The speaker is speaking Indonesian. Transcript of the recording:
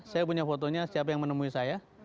saya punya fotonya siapa yang menemui saya